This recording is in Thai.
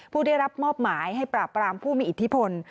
ผู้ได้รับมอบหมายให้ปราบรามผู้มีอิทธิพล